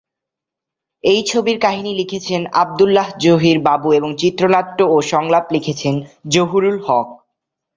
এই ছবির কাহিনী লিখেছেন আবদুল্লাহ জহির বাবু এবং চিত্রনাট্য ও সংলাপ লিখেছেন জহিরুল হক।